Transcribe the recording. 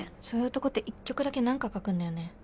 そういう男って１曲だけ何か書くんだよね。